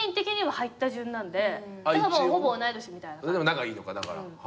仲いいのかだから。